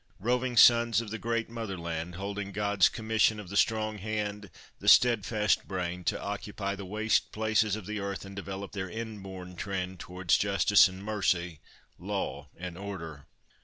Roving sons of the Great Mother Land, holding God's Commission of the strong hand, the steadfast brain, to occupy the Waste Places of the earth and develop their inborn trend towards justice and mercy, law and order.